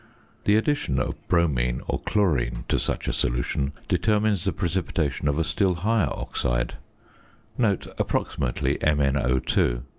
The addition of bromine or chlorine to such a solution determines the precipitation of a still higher oxide (approximately MnO_).